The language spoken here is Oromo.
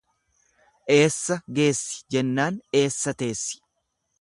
Eessa geessi jennaan eessa teessi.